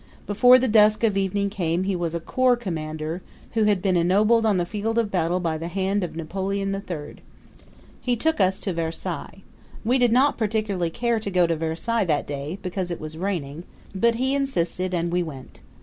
Before the dusk of evening came he was a corps commander, who had been ennobled on the field of battle by the hand of Napoleon the Third. He took us to Versailles. We did not particularly care to go to Versailles that day, because it was raining; but he insisted and we went.